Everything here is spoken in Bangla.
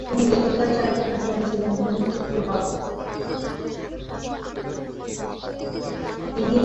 তিনি লেডি নেলসনের প্রথম সঙ্গী হিসেবে নিযুক্ত হন।